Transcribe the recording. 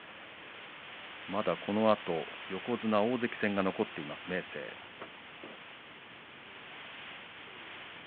まだこのあと、横綱大関戦が残っている明生です。